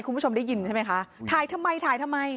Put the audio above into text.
คุณผู้ชมได้ยินใช่ไหมคะถ่ายทำไมถ่ายทำไม